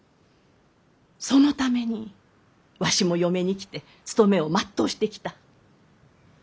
そのためにわしも嫁に来て務めを全うしてきた。